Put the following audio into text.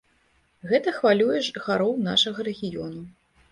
Гэта хвалюе жыхароў нашага рэгіёну.